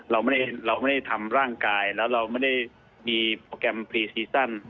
เราไม่ได้เราไม่ได้ทำร่างกายแล้วเราไม่ได้มีโปรแกรมพรีซีซั่น